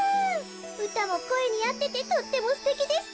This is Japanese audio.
うたもこえにあっててとってもすてきですってよ。